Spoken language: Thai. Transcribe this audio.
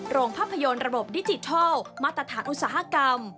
โรงภาพยนตร์ระบบดิจิทัลมาตรฐานอุตสาหกรรม